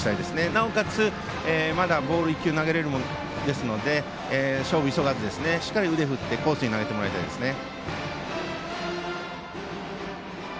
なおかつ、まだボールを１球投げれますので勝負に急がずしっかり腕を振ってコースに投げてもらいたいですね。